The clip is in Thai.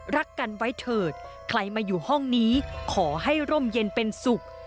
รักกันไว้เถิดใครมาอยู่ห้องนี้ขอให้ร่มเย็นเป็นสุข